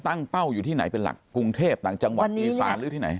เป้าอยู่ที่ไหนเป็นหลักกรุงเทพต่างจังหวัดอีสานหรือที่ไหน